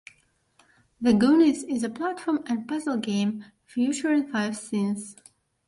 "The Goonies" is a platform and puzzle game, featuring five 'scenes'.